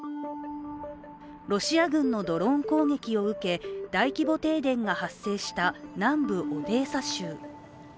ロシア軍のドローン攻撃を受け大規模停電が発生した南部オデーサ州。